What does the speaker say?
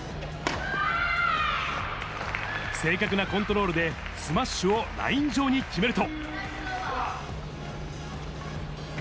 正確なコントロールで、スマッシュをライン上に決めると。